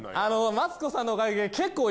マツコさんのおかげで。